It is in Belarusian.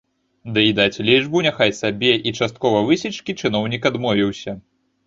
Ды й даць лічбу няхай сабе і часткова высечкі чыноўнік адмовіўся.